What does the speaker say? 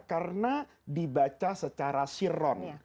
karena dibaca secara sirron